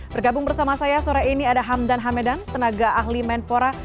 bergabung bersama saya sore ini ada hamdan hamedan tenaga ahli menpora